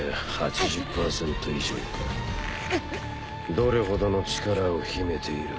どれほどの力を秘めている？